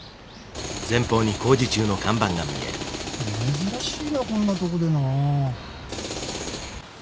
珍しいなこんなとこでな